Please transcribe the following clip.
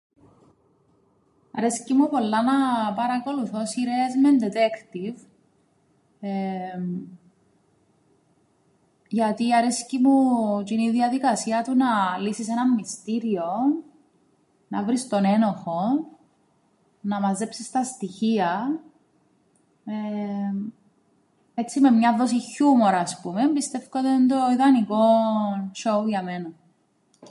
Αρέσκει μου πολλά να παρακολουθώ σειρές με ντετέκτιβ, εεε γιατί αρέσκει μου τζ̆είνη η διαδικασία του να λύσεις έναν μυστήριον, να βρεις τον ένοχον, να μαζέψεις τα στοιχεία, εεε έτσι με μιαν δόσην χιούμορ ας πούμεν πιστεύκω ότι εν' το ιδανικό show για μέναν.